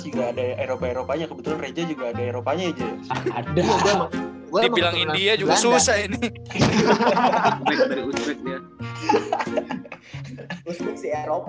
juga ada eropa eropanya kebetulan reza juga ada eropanya aja ada udah mau bilangin dia juga susah